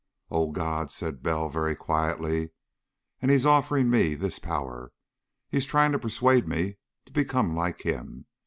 "Oh, God!" said Bell very quietly. "And he's offering me this power! He's trying to persuade me to become like him.